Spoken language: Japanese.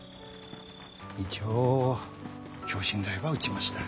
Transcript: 一応強心剤は打ちました。